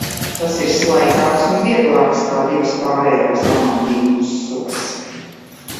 Tas ir slaidāks un vieglāks kā divas pārējās lamantīnu sugas.